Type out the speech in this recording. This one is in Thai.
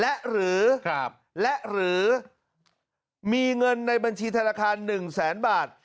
และหรือครับและหรือมีเงินในบัญชีธนาคารหนึ่งแสนบาท